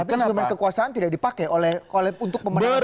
tapi instrumen kekuasaan tidak dipakai untuk pemerintahan polisi